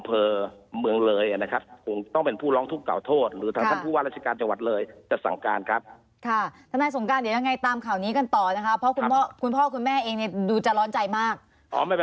เพราะคุณพ่อคุณพ่อคุณแม่เองเนี่ยดูจะร้อนใจมากอ๋อไม่เป็น